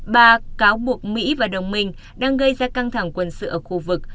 bà cáo buộc mỹ và đồng minh đang gây ra căng thẳng quân sự ở khu vực